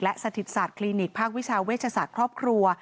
และสถิตศาสตคลินิกภาควิชาเวชศาสตร์ครอบครัว